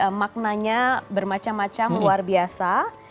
karena maknanya bermacam macam luar biasa